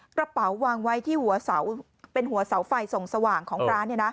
กระเป๋าวางไว้ที่หัวเสาเป็นหัวเสาไฟส่งสว่างของร้านเนี่ยน่ะ